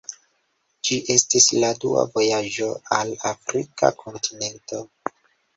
Ĝi estis la dua vojaĝo al Afrika kontinento.